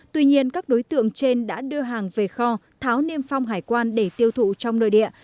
tuy nhiên các đối tượng trên đã đưa hàng về kho tháo niêm phong hải quan để tiêu thụ trong nơi địa